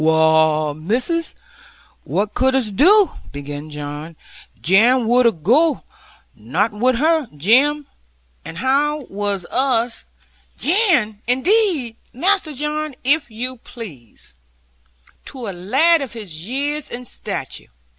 'Wull, missus, what could us do?' began John; 'Jan wudd goo, now wudd't her, Jem? And how was us ' 'Jan indeed! Master John, if you please, to a lad of his years and stature.